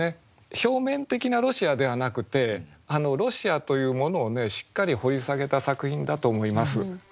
表面的なロシアではなくてロシアというものをねしっかり掘り下げた作品だと思います。